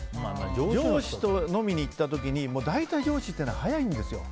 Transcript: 上司と飲みに行った時に大体上司っていうのは早いんですよ。